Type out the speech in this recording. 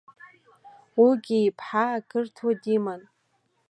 Уигьы иԥҳа ақырҭуа диман.